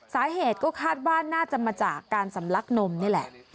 สาเหตุก็คาดว่าน่าจะมาจากการสำลักนมนี่แหละ